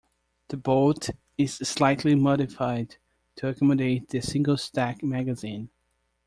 The bolt is slightly modified to accommodate the single-stack magazine.